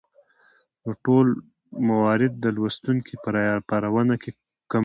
نو دا ټول موارد د لوستونکى په راپارونه کې کمک کوي